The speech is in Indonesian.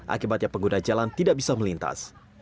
akibatnya pengguna jalan tidak bisa melintas